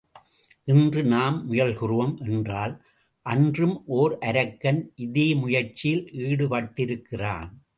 இன்று நாம் முயல்கிறோம் என்றால் அன்றும் ஓர் அரக்கன் இதே முயற்சியில் ஈடுபட்டிருக்கிறான்.